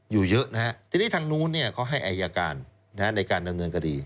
อยู่เยอะนะฮะทีนี้ทางโน้นเนี่ยเขาให้อายาการนะฮะในการดำเนินกดี